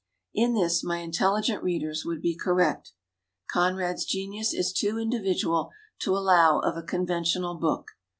In this my intelligent readers would be correct. Conrad's genius is too in dividual to allow of a conventional book.